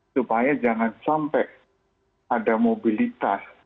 supaya jangan sampai ada mobilitas